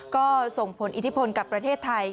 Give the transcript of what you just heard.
ก็ส่งผลอิทธิพลกับประเทศไทย